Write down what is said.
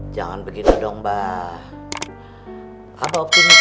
jangan begitu dong mbak abah optimis aja